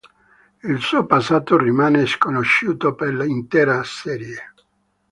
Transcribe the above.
Il suo passato rimane sconosciuto per l'intera serie.